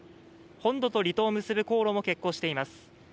本土と離島を結ぶ航路も欠航しています。